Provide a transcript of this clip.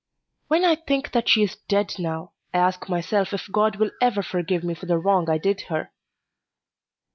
When I think that she is dead now, I ask myself if God will ever forgive me for the wrong I did her.